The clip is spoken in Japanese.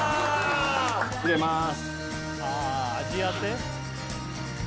入れます。